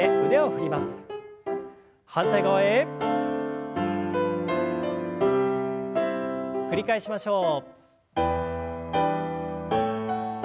繰り返しましょう。